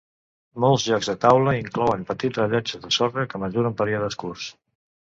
Molts jocs de taula inclouen petits rellotges de sorra que mesuren períodes curts.